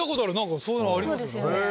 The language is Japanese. そういうのありますよね。